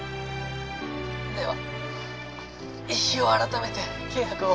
では日を改めて契約を。